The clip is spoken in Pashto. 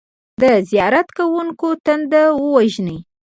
د زیارت کوونکو تنده ووژني.